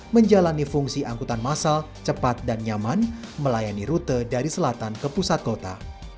menjalani fungsi angkutan masal cepat dan nyaman melayani rute dari selatan ke pusat kota